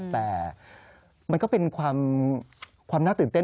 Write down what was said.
แต่มันก็เป็นความน่าตื่นเต้น